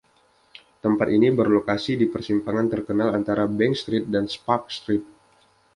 Tempat ini berlokasi di persimpangan terkenal antara Bank Street dan Sparks Street.